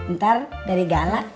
ntar dari galak